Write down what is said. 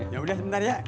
yaudah sebentar ya